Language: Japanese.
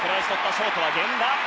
ショートは源田。